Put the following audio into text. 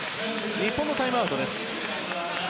日本のタイムアウトです。